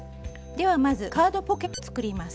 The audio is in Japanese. ではまずカードポケットを作ります。